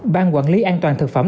ban quản lý an toàn thực phẩm